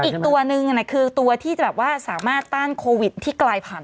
อีกตัวนึงคือตัวที่จะแบบว่าสามารถต้านโควิดที่กลายผ่าน